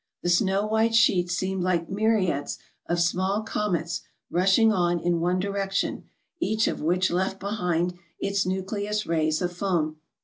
The snow white sheet seemed like myriads of small comets rushing on in one direction, each of which left behind its nucleus rays of foam.